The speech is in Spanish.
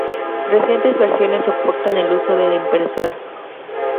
Recientes versiones soportan el uso de impresora.